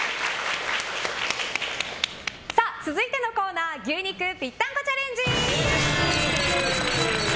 続いてのコーナー牛肉ぴったんこチャレンジ！